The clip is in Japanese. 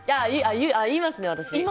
言いますね、私。